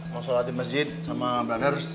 mau solat di masjid sama branner